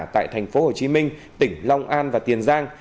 tại tp hồ chí minh tỉnh long an và tiền giang